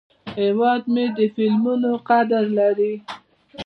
هیواد مې د قلمونو قدر لري